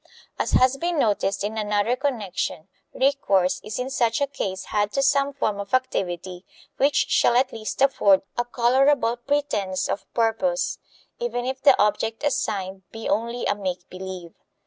As has been noticed in another connection, recourse is in such a case had to some form of activity which shall at least afford a colorable pretense of purpose, even if the object assigned be only a make believe.